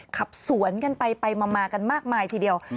ขับสวนกันไปมากันมากมายทีเดียว